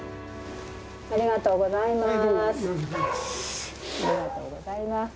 ありがとうございます。